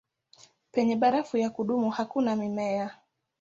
Penye barafu ya kudumu hakuna mimea.